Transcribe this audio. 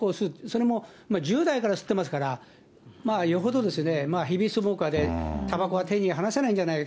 それも１０代から吸ってますから、よほどヘビースモーカーでたばこは手に離せないんじゃないか。